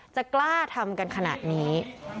จะกล้าทำกันขนาดนี้